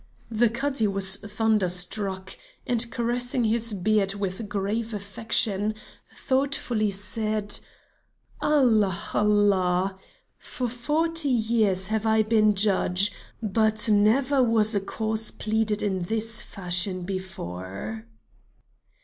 The Cadi was thunderstruck, and caressing his beard with grave affection thoughtfully said: "Allah! Allah! For forty years have I been judge, but never was a cause pleaded in this fashion before."